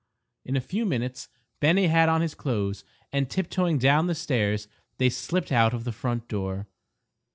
In a few minutes Bennie had on his clothes and tiptoeing down the stairs, they slipped out of the front door.